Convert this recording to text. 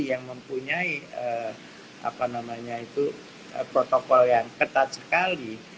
yang mempunyai protokol yang ketat sekali